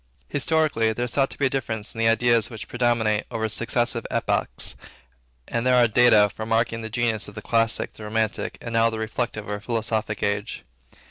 Historically, there is thought to be a difference in the ideas which predominate over successive epochs, and there are data for marking the genius of the Classic, of the Romantic, and now of the Reflective or Philosophical age.